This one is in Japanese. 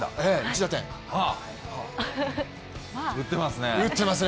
打ってますね。